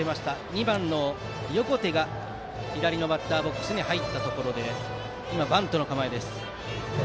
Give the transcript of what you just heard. ２番の横手が左バッターボックスに入ってバントの構え。